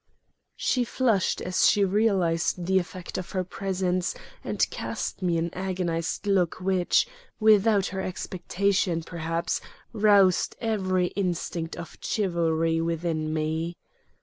She flushed as she realized the effect of her presence and cast me an agonized look, which, without her expectation, perhaps, roused every instinct of chivalry within me.